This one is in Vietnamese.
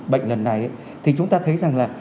bệnh lần này thì chúng ta thấy rằng là